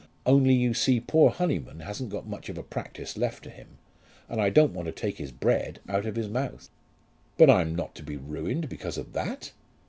Only you see poor Honyman hasn't got much of a practice left to him, and I don't want to take his bread out of his mouth." "But I'm not to be ruined because of that!"